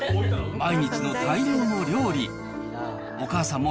毎日の大量の料理。